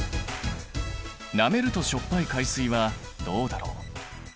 なめるとしょっぱい海水はどうだろう。